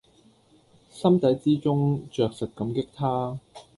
心底之中著實感激他